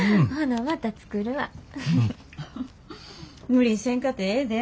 無理せんかてええで。